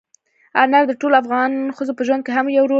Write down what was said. انار د ټولو افغان ښځو په ژوند کې هم یو رول لري.